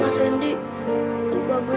hal yang tak di pinggirkan